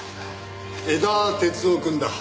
江田哲男くんだ。